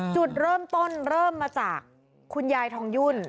จุดเริ่มต้นเริ่มมาจากคุณยายทองยุ่น